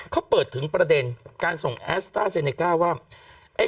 เขาเปิดถึงประเด็นการส่งแอสต้าเซเนก้าว่า